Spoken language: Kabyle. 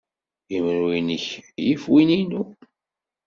Imru-nnek yif win-inu.